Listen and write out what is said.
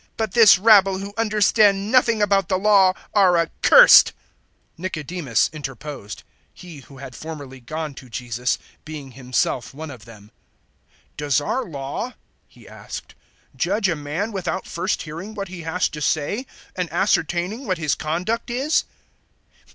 007:049 But this rabble who understand nothing about the Law are accursed!" 007:050 Nicodemus interposed he who had formerly gone to Jesus, being himself one of them. 007:051 "Does our Law," he asked, "judge a man without first hearing what he has to say and ascertaining what his conduct is?"